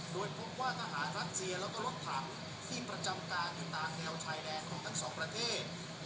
โดยพบว่าทหารรัสเซียแล้วก็รถถังที่ประจำการอยู่ตามแนวชายแดนของทั้งสองประเทศ